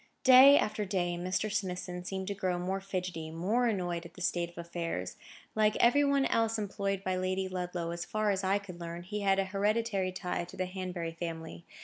Day after day Mr. Smithson seemed to grow more fidgety, more annoyed at the state of affairs. Like every one else employed by Lady Ludlow, as far as I could learn, he had an hereditary tie to the Hanbury family.